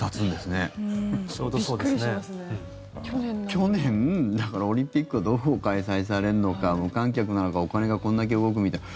去年、オリンピックがどう開催されるのか無観客なのかお金がこんだけ動くみたいな。